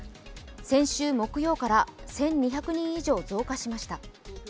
先週木曜から１２００人以上増加しました。